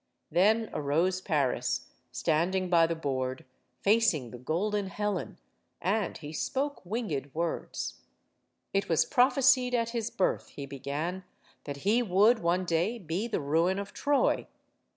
Then arose Paris, standing by the board, facing the golden Helen. And he spoke winged words: It was prophesied at his birth, he began, that he would one day be the ruin of Troy.